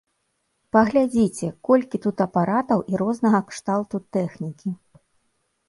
Паглядзіце, колькі тут апаратаў і рознага кшталту тэхнікі.